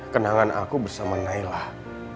kenangan aku bersama nailah